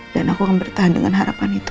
dan aku akan bertahan dengan harapan itu